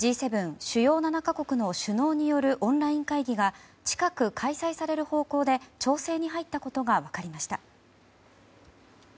・主要７か国の首脳によるオンライン会議が近く開催される方向で調整に入ったことが分かりました。